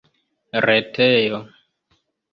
retejo